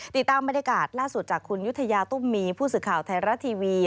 ติดตามบรรยากาศล่าสุดจากคุณยุธยาตุ้มมีผู้สื่อข่าวไทยรัฐทีวี